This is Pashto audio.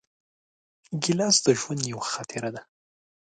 ګیلاس د ژوند یوه خاطره ده.